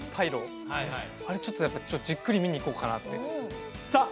あれちょっとじっくり見に行こうかなってさあ